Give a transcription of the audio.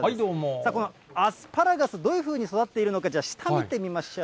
さあ、このアスパラガス、どういうふうに育っているのか、じゃあ、下見てみましょう。